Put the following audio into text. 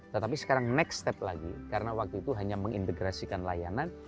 tetapi sekarang next step lagi karena waktu itu hanya mengintegrasikan layanan